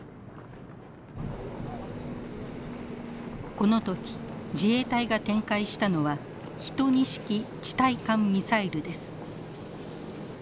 この時自衛隊が展開したのは１２式地対艦ミサイルです。